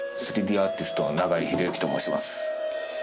３Ｄアーティストの永井秀幸と申します。